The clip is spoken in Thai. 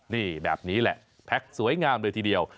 นี่แบบนี้แหละแพ็คสวยงามเลยทีเดียว